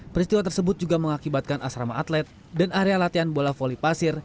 peristiwa tersebut juga mengakibatkan asrama atlet dan area latihan bola voli pasir